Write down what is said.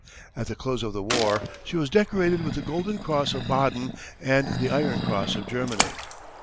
At the close of the war, she was decorated with the golden cross of Baden and the iron cross of Germany.